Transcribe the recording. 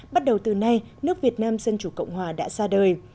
bắt đầu từ nay nước việt nam dân chủ cộng hòa đã ra đời